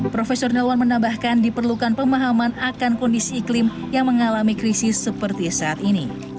profesor nelwan menambahkan diperlukan pemahaman akan kondisi iklim yang mengalami krisis seperti saat ini